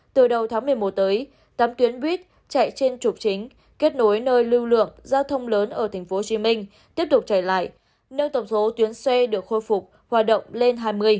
từ đầu tháng một mươi một tới tám tuyến buýt chạy trên trục chính kết nối nơi lưu lượng giao thông lớn ở tp hcm tiếp tục chạy lại nâng tổng số tuyến xe được khôi phục hoạt động lên hai mươi